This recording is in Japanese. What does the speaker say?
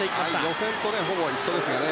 予選とほぼ一緒ですね。